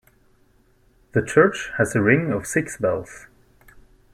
The church has a ring of six bells.